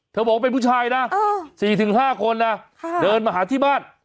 บอกว่าเป็นผู้ชายนะ๔๕คนนะเดินมาหาที่บ้าน